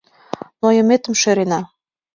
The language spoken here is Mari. Нойыметым шӧрена.